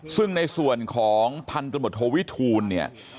ซึ่งในส่วนของพันธบทโทวิทูลเนี่ย